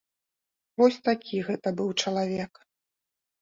Вось такі гэта быў чалавек.